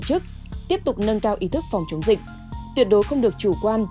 chức tiếp tục nâng cao ý thức phòng chống dịch tuyệt đối không được chủ quan